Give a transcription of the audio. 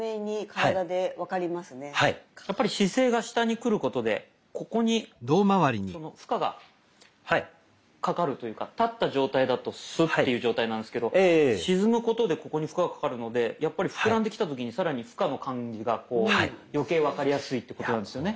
やっぱり姿勢が下にくることでここに負荷がかかるというか立った状態だとスッていう状態なんですけど沈むことでここに負荷がかかるのでやっぱり膨らんできた時に更に負荷の感じがこう余計分かりやすいってことなんですよね。